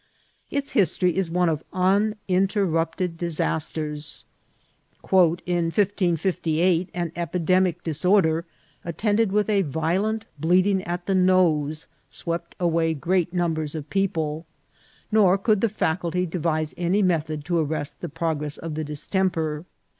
Its history is one of uninterrupted dis asters. <^ In 1558 an epidemic disorder, attended with a violent bleeding at the nose, swept away great num bers of people ; nor could the faculty devise any meth od to arrest the progress of the distemper.